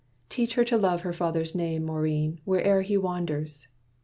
"Teach her to love her father's name, Maurine, Where'er he wanders.